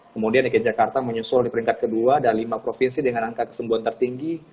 kemudian dki jakarta menyusul di peringkat kedua dan lima provinsi dengan angka kesembuhan tertinggi